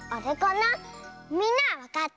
みんなはわかった？